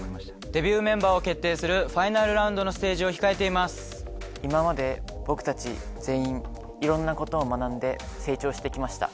デビューメンバーを決定する、ファイナルラウンドのステージを今まで僕たち全員、いろんなことを学んで成長してきました。